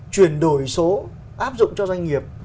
chuyển đổi số áp dụng cho doanh nghiệp